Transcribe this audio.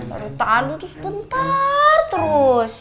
aduh aduh tuh sebentar terus